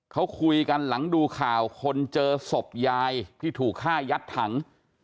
เขาคุยกันหลังดูข่าวคนเจอศพยายที่ถูกฆ่ายัดถัง